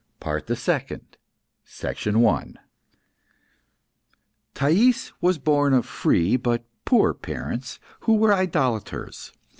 PART THE SECOND THE PAPYRUS Thais was born of free, but poor, parents, who were idolaters.